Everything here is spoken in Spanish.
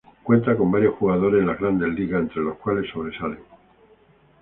Cuenta con varios jugadores en las Grandes Ligas, entre los cuales sobresalen.